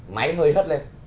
máy hơi hớt lên